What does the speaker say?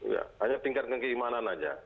ya hanya tingkat keimanan saja